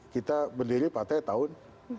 kita berdiri pada tahun sembilan puluh delapan